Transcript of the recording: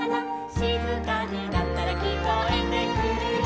「しずかになったらきこえてくるよ」